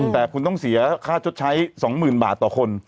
แต่คุณต้องเสียค่าชดใช้๒๐๐๐บาทต่อคน